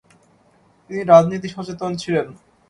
তিনি রাজনীতি সচেতন ছিলেন।